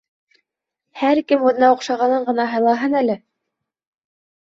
Һәр кем үҙенә оҡшағанын ғына һайлаһын әле!..